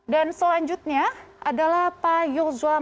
dan selanjutnya adalah pak yul zulmakas